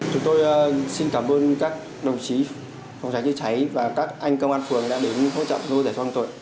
chúng tôi xin cảm ơn các đồng chí phòng cháy chữa cháy và các anh công an phường đã đến hỗ trợ nuôi giải phóng tội